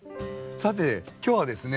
さて今日はですね